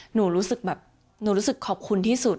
หนูรู้สึกขอบคุณที่สุด